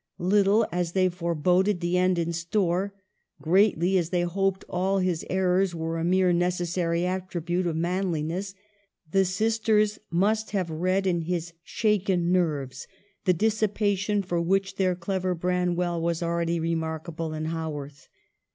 Little as they foreboded the end in store, greatly as they hoped all his errors were a mere necessary attribute of manli ness, the sisters must have read in his shaken nerves the dissipation for which their clever Branwell was already remarkable in Haworth.